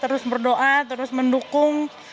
terus berdoa terus mendukung